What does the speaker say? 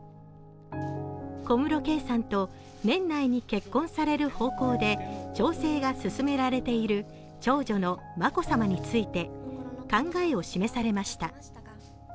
小室圭さんと年内に結婚する方向で調整が進められている長女の眞子さまについて、考えを示されました。